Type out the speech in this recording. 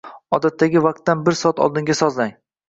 Odatdagi vaqtdan bir soat oldinga sozlang.